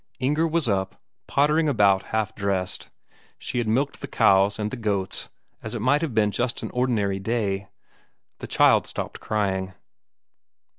Inger was up, pottering about half dressed she had milked the cow and the goats, as it might have been just an ordinary day. The child stopped crying.